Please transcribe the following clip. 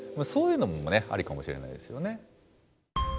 そういうのもねありかもしれないですよね。